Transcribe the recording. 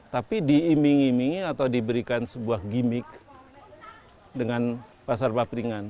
tapi diiming imingi atau diberikan sebuah gimmick dengan pasar papringan